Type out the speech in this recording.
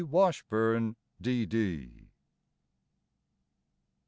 Washburn, D.